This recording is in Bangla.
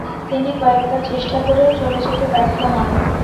তিনি কয়েকবার চেষ্টা করেও চলে যেতে ব্যর্থ হন।